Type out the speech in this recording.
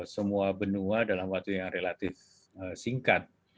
semua benua dalam waktu yang relatif singkat